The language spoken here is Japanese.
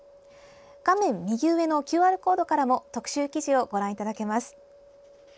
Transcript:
画面右上のＱＲコードからも特集記事をご覧いただけます。